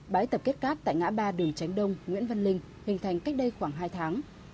bãi tập kết cát tại ngã ba đường tránh đông nguyễn văn linh hình thành cách đây khoảng hai tháng